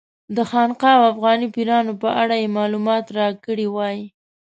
د خانقا او افغاني پیرانو په اړه یې معلومات راکړي وای.